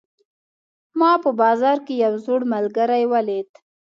ما په بازار کې یو زوړ ملګری ولید